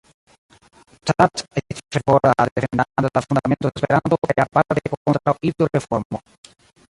Cart estis fervora defendanto de la Fundamento de Esperanto kaj aparte kontraŭ Ido-reformo.